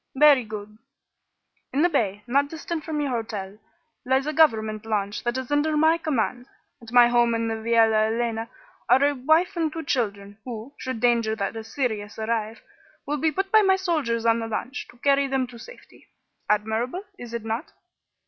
"Very good. In the bay, not distant from your hotel, lies a government launch that is under my command. At my home in the Viala Elena are a wife and two children, who, should danger that is serious arise, will be put by my soldiers on the launch, to carry them to safety. Admirable, is it not?"